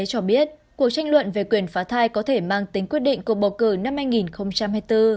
cho biết cuộc tranh luận về quyền phá thai có thể mang tính quyết định cuộc bầu cử năm hai nghìn hai mươi bốn